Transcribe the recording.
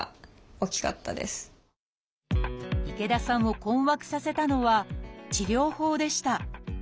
池田さんを困惑させたのは治療法でした。